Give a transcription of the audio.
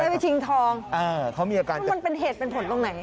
เขาได้ไปชิงทองเพราะมันเป็นเหตุเป็นผลตรงไหน